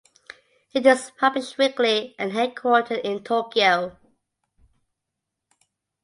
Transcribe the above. It is published weekly and headquartered in Tokyo.